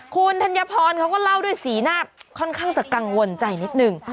คุณธัญพรเขาก็เล่าด้วยสีหน้าค่อนข้างจะกังวลใจนิดนึง